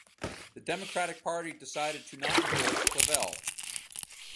The Democratic Party decided to not endorse Clavelle.